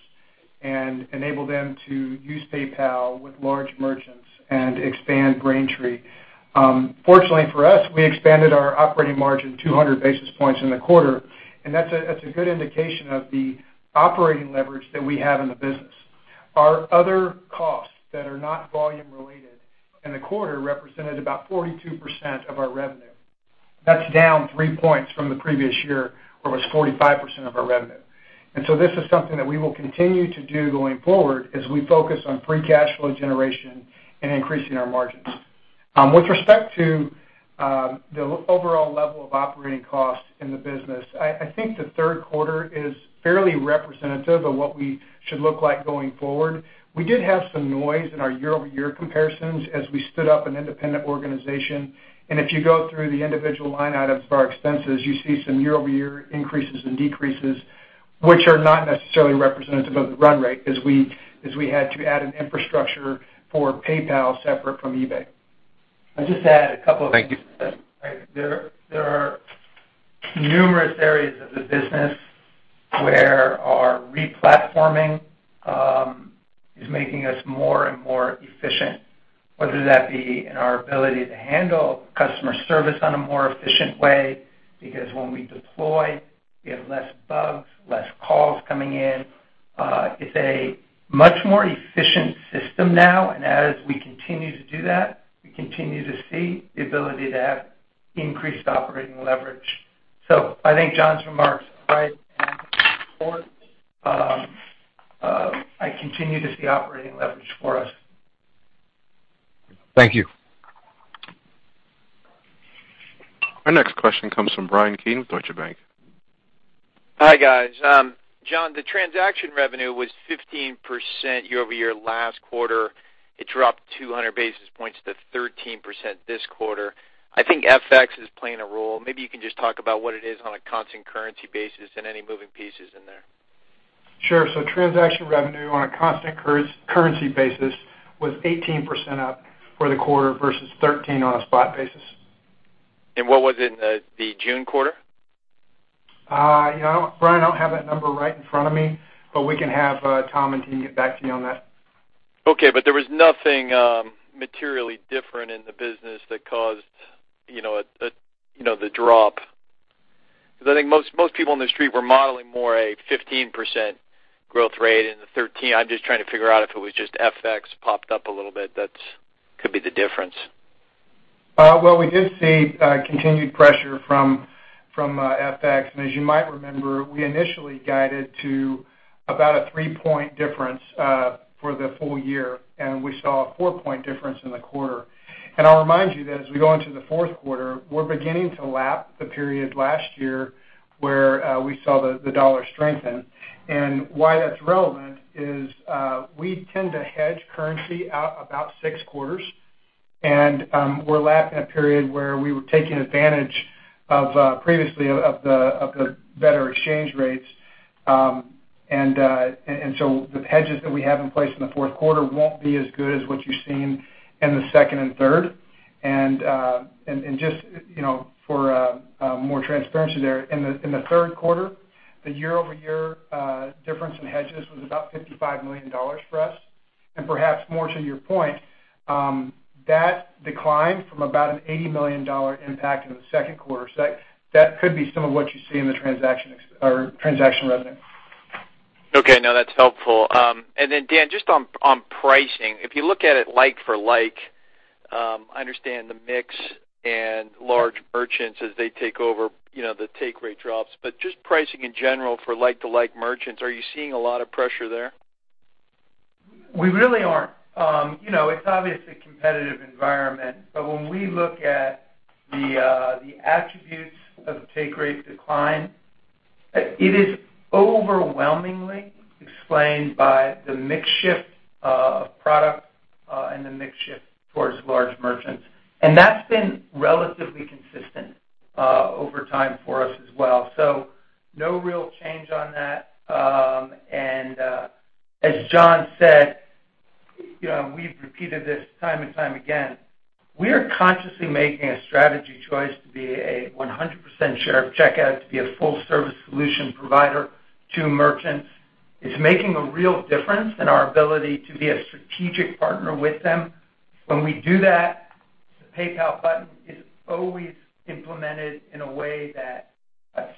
and enable them to use PayPal with large merchants and expand Braintree. Fortunately for us, we expanded our operating margin 200 basis points in the quarter, and that's a good indication of the operating leverage that we have in the business. Our other costs that are not volume-related in the quarter represented about 42% of our revenue. That's down three points from the previous year, where it was 45% of our revenue. This is something that we will continue to do going forward as we focus on free cash flow generation and increasing our margins. With respect to the overall level of operating costs in the business, I think the third quarter is fairly representative of what we should look like going forward. We did have some noise in our year-over-year comparisons as we stood up an independent organization. If you go through the individual line items of our expenses, you see some year-over-year increases and decreases, which are not necessarily representative of the run rate as we had to add an infrastructure for PayPal separate from eBay. I'll just add a couple of things. Thank you. There are numerous areas of the business where our re-platforming is making us more and more efficient, whether that be in our ability to handle customer service on a more efficient way, because when we deploy, we have less bugs, less calls coming in. It's a much more efficient system now. As we continue to do that, we continue to see the ability to have increased operating leverage. I think John's remarks are right, and I continue to see operating leverage for us. Thank you. Our next question comes from Bryan Keane with Deutsche Bank. Hi, guys. John, the transaction revenue was 15% year-over-year last quarter. It dropped 200 basis points to 13% this quarter. I think FX is playing a role. Maybe you can just talk about what it is on a constant currency basis and any moving pieces in there. Sure. Transaction revenue on a constant currency basis was 18% up for the quarter versus 13% on a spot basis. What was it in the June quarter? Bryan, I don't have that number right in front of me, but we can have Tom and team get back to you on that. Okay, there was nothing materially different in the business that caused the drop? Because I think most people on the street were modeling more a 15% growth rate than the 13%. I'm just trying to figure out if it was just FX popped up a little bit that could be the difference. Well, we did see continued pressure from FX. As you might remember, we initially guided to about a 3-point difference for the full year, and we saw a 4-point difference in the quarter. I'll remind you that as we go into the fourth quarter, we're beginning to lap the period last year where we saw the dollar strengthen. Why that's relevant is we tend to hedge currency out about 6 quarters, and we're lapping a period where we were taking advantage previously of the better exchange rates. The hedges that we have in place in the fourth quarter won't be as good as what you've seen in the second and third. Just for more transparency there, in the third quarter, the year-over-year difference in hedges was about $55 million for us. Perhaps more to your point, that declined from about an $80 million impact in the second quarter. That could be some of what you see in the transaction revenue. Okay, now that's helpful. Dan, just on pricing, if you look at it like for like, I understand the mix and large merchants as they take over, the take rate drops. Just pricing in general for like-to-like merchants, are you seeing a lot of pressure there? We really aren't. It's obviously a competitive environment, when we look at the attributes of take rate decline, it is overwhelmingly explained by the mix shift of product and the mix shift towards large merchants. That's been relatively consistent over time for us as well. No real change on that. As John Rainey said, we've repeated this time and time again, we are consciously making a strategy choice to be a 100% share of checkout, to be a full-service solution provider to merchants. It's making a real difference in our ability to be a strategic partner with them. When we do that, the PayPal button is always implemented in a way that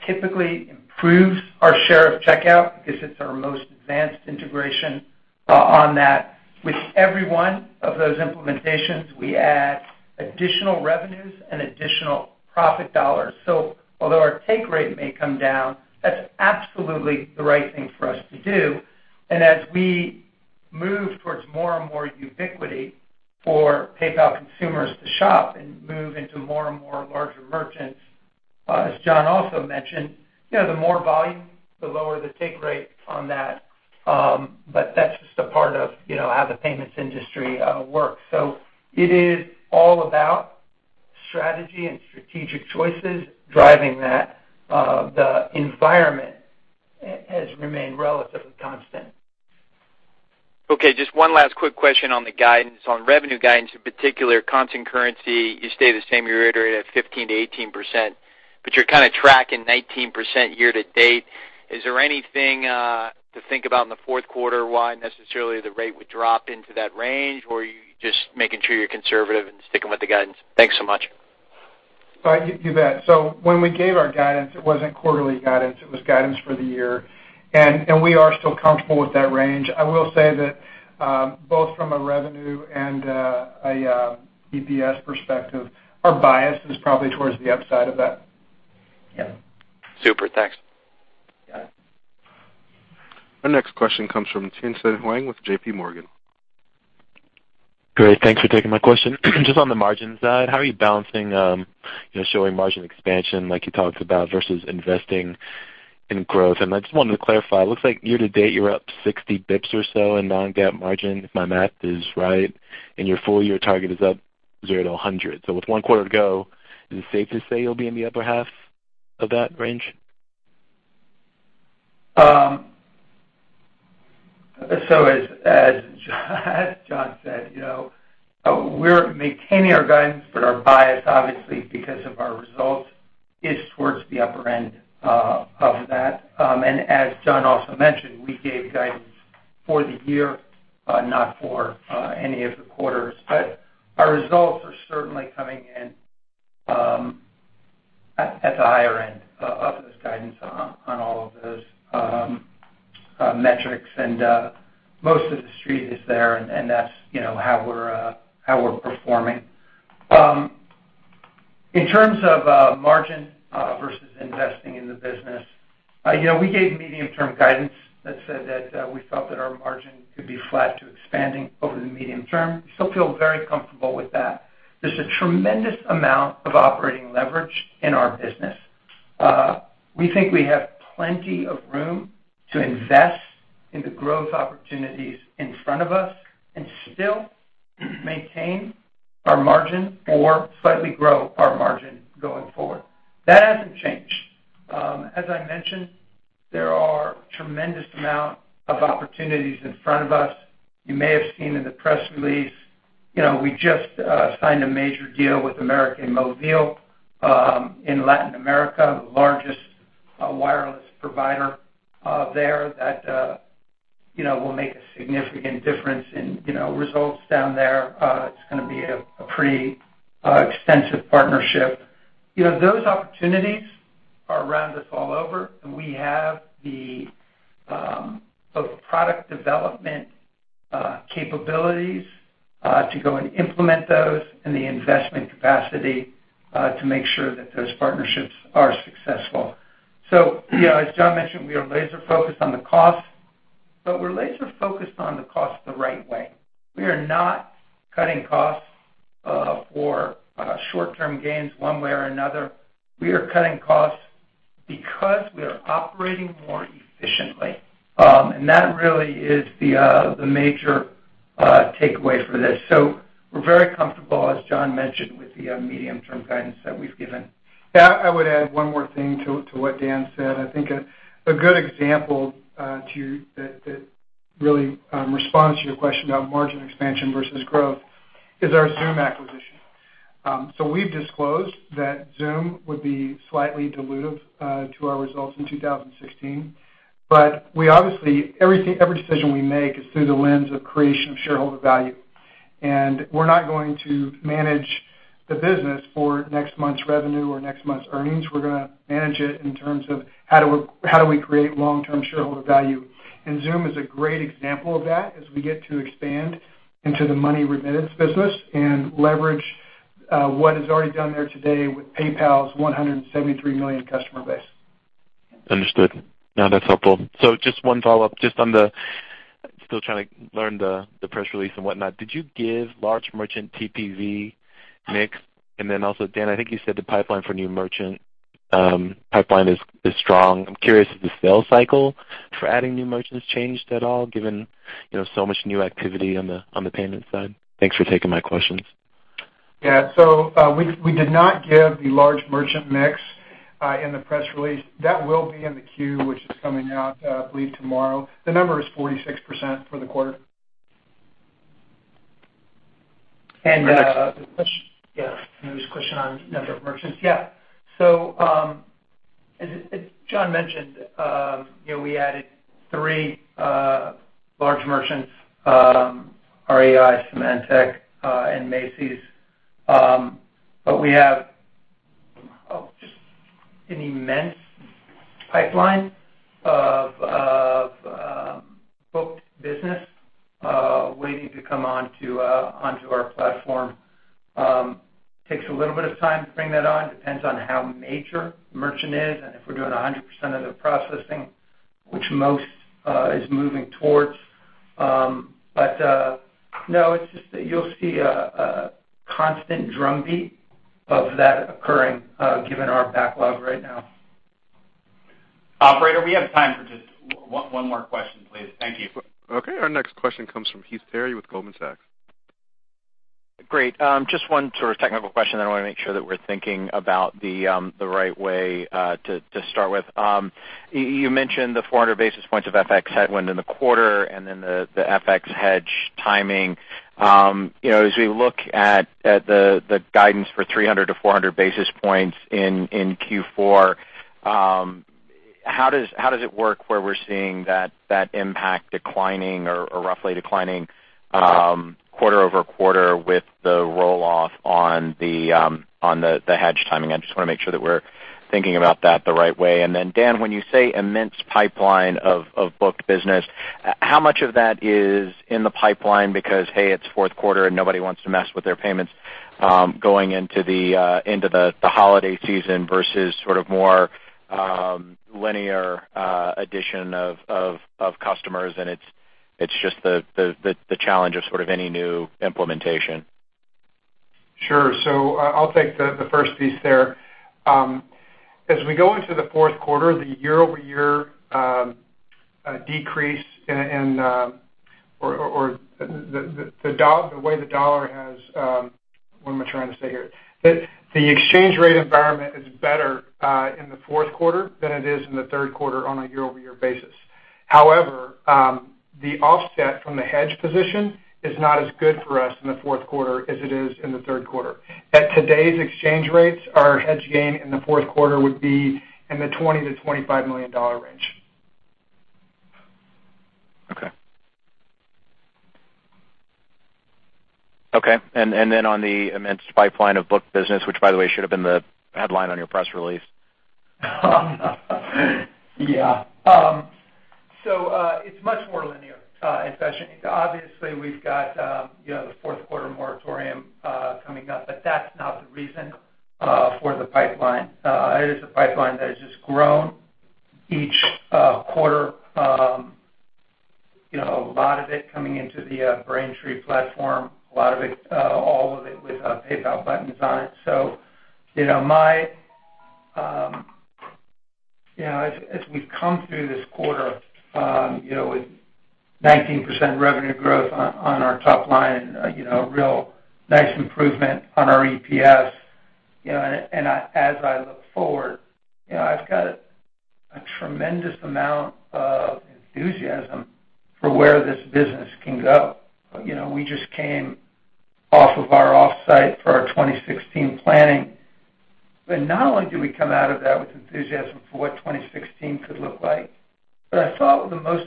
typically improves our share of checkout because it's our most advanced integration on that. With every one of those implementations, we add additional revenues and additional profit dollars. Although our take rate may come down, that's absolutely the right thing for us to do. As we move towards more and more ubiquity for PayPal consumers to shop and move into more and more larger merchants, as John Rainey also mentioned, the more volume, the lower the take rate on that. That's just a part of how the payments industry works. It is all about strategy and strategic choices driving that. The environment has remained relatively constant. Okay, just one last quick question on the guidance. On revenue guidance in particular, constant CurrentC, you stay the same, you reiterate at 15%-18%, you're kind of tracking 19% year-to-date. Is there anything to think about in the fourth quarter why necessarily the rate would drop into that range, or are you just making sure you're conservative and sticking with the guidance? Thanks so much. You bet. When we gave our guidance, it wasn't quarterly guidance, it was guidance for the year. We are still comfortable with that range. I will say that both from a revenue and a EPS perspective, our bias is probably towards the upside of that. Yeah. Super, thanks. Yeah. Our next question comes from Tien-Tsin Huang with J.P. Morgan. Great. Thanks for taking my question. Just on the margins side, how are you balancing showing margin expansion like you talked about versus investing in growth? I just wanted to clarify, it looks like year-to-date you're up 60 basis points or so in non-GAAP margin, if my math is right, and your full-year target is up 0-100 basis points. With one quarter to go, is it safe to say you'll be in the upper half of that range? As John said, we're maintaining our guidance, but our bias obviously because of our results, is towards the upper end of that. As John also mentioned, we gave guidance for the year, not for any of the quarters. Our results are certainly coming in at the higher end of those guidance on all of those metrics, and most of the Street is there, and that's how we're performing. In terms of margin versus investing in the business, we gave medium-term guidance that said that we felt that our margin could be flat to expanding over the medium term. We still feel very comfortable with that. There's a tremendous amount of operating leverage in our business. We think we have plenty of room to invest in the growth opportunities in front of us and still maintain our margin or slightly grow our margin going forward. That hasn't changed. As I mentioned, there are tremendous amount of opportunities in front of us. You may have seen in the press release, we just signed a major deal with América Móvil in Latin America, the largest A wireless provider there that will make a significant difference in results down there. It's going to be a pretty extensive partnership. Those opportunities are around us all over, and we have both the product development capabilities to go and implement those and the investment capacity to make sure that those partnerships are successful. As John mentioned, we are laser-focused on the cost, but we're laser-focused on the cost the right way. We are not cutting costs for short-term gains one way or another. We are cutting costs because we are operating more efficiently. That really is the major takeaway for this. We're very comfortable, as John mentioned, with the medium-term guidance that we've given. Yeah, I would add one more thing to what Dan said. I think a good example that really responds to your question about margin expansion versus growth is our Xoom acquisition. We've disclosed that Xoom would be slightly dilutive to our results in 2016, but every decision we make is through the lens of creation of shareholder value. We're not going to manage the business for next month's revenue or next month's earnings. We're going to manage it in terms of how do we create long-term shareholder value. Xoom is a great example of that as we get to expand into the money remittance business and leverage what is already done there today with PayPal's 173 million customer base. Understood. That's helpful. Just one follow-up, still trying to learn the press release and whatnot. Did you give large merchant TPV mix? Also, Dan, I think you said the pipeline for new merchant is strong. I'm curious, has the sales cycle for adding new merchants changed at all given so much new activity on the payments side? Thanks for taking my questions. Yeah. We did not give the large merchant mix in the press release. That will be in the 10-Q, which is coming out, I believe, tomorrow. The number is 46% for the quarter. And- Next. Yeah. There was a question on number of merchants. Yeah. As John mentioned, we added three large merchants, REI, Symantec, and Macy's. We have just an immense pipeline of booked business waiting to come onto our platform. Takes a little bit of time to bring that on. Depends on how major the merchant is and if we're doing 100% of the processing, which most is moving towards. No, you'll see a constant drumbeat of that occurring, given our backlog right now. Operator, we have time for just one more question, please. Thank you. Okay, our next question comes from Heath Terry with Goldman Sachs. Great. Just one sort of technical question, then I want to make sure that we're thinking about the right way to start with. You mentioned the 400 basis points of FX headwind in the quarter and then the FX hedge timing. As we look at the guidance for 300 to 400 basis points in Q4, how does it work where we're seeing that impact declining or roughly declining quarter-over-quarter with the roll-off on the hedge timing? I just want to make sure that we're thinking about that the right way. Then Dan, when you say immense pipeline of booked business, how much of that is in the pipeline because, hey, it's fourth quarter and nobody wants to mess with their payments going into the holiday season versus sort of more linear addition of customers and it's just the challenge of any new implementation? Sure. I'll take the first piece there. As we go into the fourth quarter, the year-over-year decrease or the way the dollar has What am I trying to say here? The exchange rate environment is better in the fourth quarter than it is in the third quarter on a year-over-year basis. However, the offset from the hedge position is not as good for us in the fourth quarter as it is in the third quarter. At today's exchange rates, our hedge gain in the fourth quarter would be in the $20 million-$25 million range. Okay. Okay, then on the immense pipeline of booked business, which by the way, should've been the headline on your press release. Yeah. It's much more linear. Obviously we've got the fourth quarter moratorium coming up, but that's not the reason for the pipeline. It is a pipeline that has just grown each quarter. A lot of it coming into the Braintree platform, all of it with PayPal buttons on it. As we've come through this quarter, with 19% revenue growth on our top line, a real nice improvement on our EPS, and as I look forward, I've got a tremendous amount of enthusiasm for where this business can go. We just came off of our offsite for our 2016 planning. Not only did we come out of that with enthusiasm for what 2016 could look like, but I thought the most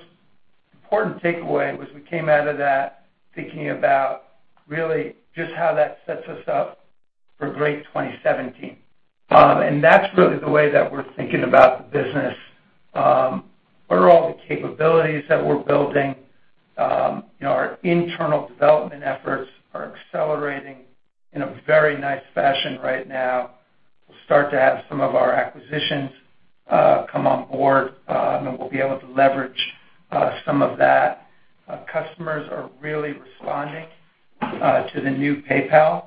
important takeaway was we came out of that thinking about really just how that sets us up for a great 2017. That's really the way that we're thinking about the business. What are all the capabilities that we're building? Our internal development efforts are accelerating in a very nice fashion right now. We'll start to have some of our acquisitions come on board, and then we'll be able to leverage some of that. Customers are really responding to the new PayPal.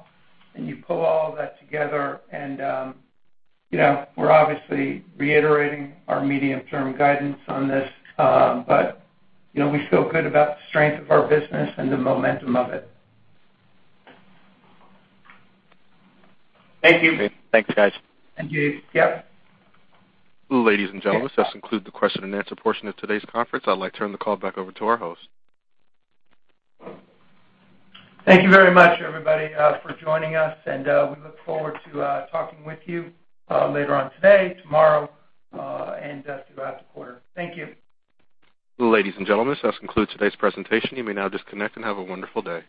You pull all of that together, and we're obviously reiterating our medium-term guidance on this, but we feel good about the strength of our business and the momentum of it. Thank you. Okay. Thanks, guys. Thank you. Yep. Ladies and gentlemen. Yes This concludes the question and answer portion of today's conference. I'd like to turn the call back over to our host. Thank you very much, everybody, for joining us, and we look forward to talking with you later on today, tomorrow, and throughout the quarter. Thank you. Ladies and gentlemen, this concludes today's presentation. You may now disconnect, and have a wonderful day.